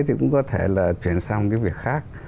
thì cũng có thể là chuyển sang một cái việc khác